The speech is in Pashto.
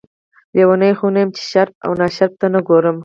لیونۍ خو نه یم چې شریف او ناشریف ته نه ګورم.